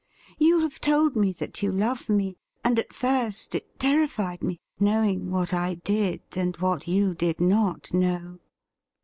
You have told me that you love me, and at first it terrified me, knowing what I did, and what you did not know.